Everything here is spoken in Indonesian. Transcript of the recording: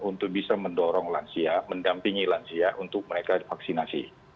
untuk bisa mendorong lansia mendampingi lansia untuk mereka divaksinasi